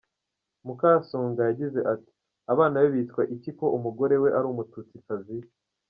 Mukasonga yagize ati "Abana be bitwa iki ko umugore we ari umututsikazi ?